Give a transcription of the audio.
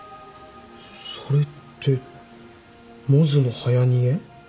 それってモズのはやにえ？